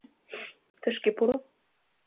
— Тышке пуро.